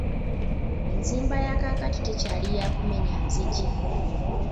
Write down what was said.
Enzimba ya kaakati tekyali yakumenya nzigi.